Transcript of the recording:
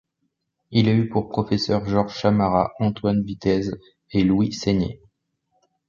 Il a eu pour professeur Georges Chamarat, Antoine Vitez et Louis Seigner.